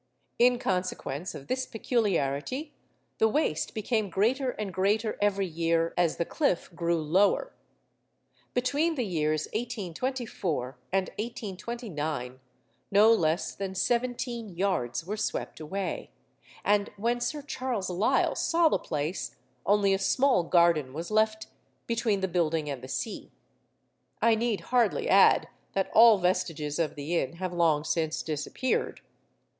In consequence of this peculiarity, the waste became greater and greater every year as the cliff grew lower. 'Between the years 1824 and 1829, no less than seventeen yards were swept away;' and when Sir Charles Lyell saw the place, only a small garden was left between the building and the sea. I need hardly add that all vestiges of the inn have long since disappeared.